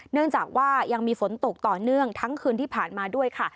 เนื่องจากว่ายังมีฝนตกต่อเนื่องทั้งคืนที่ผ่านมาด้วยค่ะ